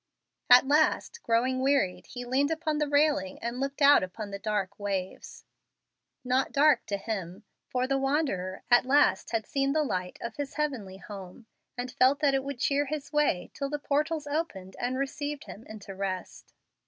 At last, growing wearied, he leaned upon the railing and looked out upon the dark waves not dark to him, for the wanderer at last had seen the light of his heavenly home, and felt that it would cheer his way till the portals opened and received him into rest.